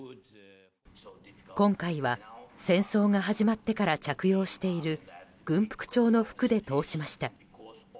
今回は戦争が始まってから着用している軍服調の服で通しました。